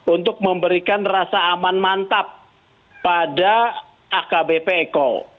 untuk memberikan rasa aman mantap pada akbp eko